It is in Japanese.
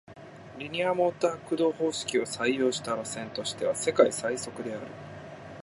リニアモーター駆動方式を採用した路線としては世界最速である